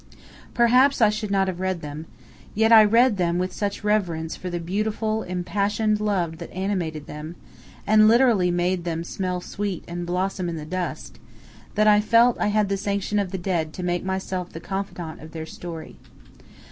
Perhaps I should not have read them yet I read them with such reverence for the beautiful, impassioned love that animated them, and literally made them "smell sweet and blossom in the dust," that I felt I had the sanction of the dead to make myself the confidant of their story.